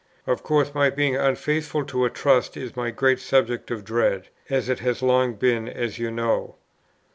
"Of course my being unfaithful to a trust is my great subject of dread, as it has long been, as you know."